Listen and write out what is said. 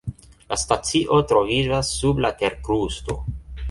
La stacio troviĝas sub la terkrusto.